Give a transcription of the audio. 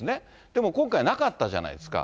でも今回なかったじゃないですか。